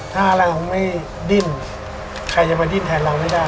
ถ้าเราไม่ดิ้นใครจะมาดิ้นแทนเราไม่ได้